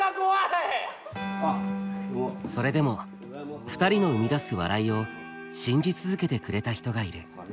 それでも２人の生み出す笑いを信じ続けてくれた人がいる。